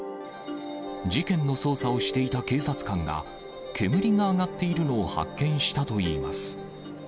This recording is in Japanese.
事件の捜査をしていた警察官が、煙が上がっているのを発見したといいます。